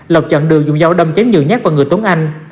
lộc chặn đường dùng dao đâm cháy nhựa nhát vào người tốn anh